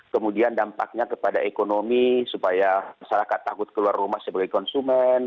kemudian dampaknya kepada ekonomi supaya masyarakat takut keluar rumah sebagai konsumen